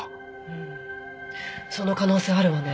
うんその可能性はあるわね。